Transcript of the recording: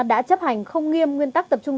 đã chấp hành không nghiêm nguyên tắc tập trung